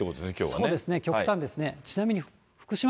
そうですね、極端ですね。